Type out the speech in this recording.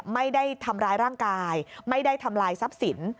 ไม่ได้ทำร้ายร่างกายไม่ได้ทำลายทรัพย์สิน